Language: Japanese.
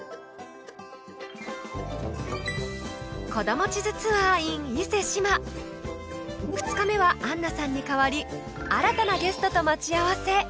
『子ども地図ツアーｉｎ伊勢志摩』２日目はアンナさんに代わり新たなゲストと待ち合わせ！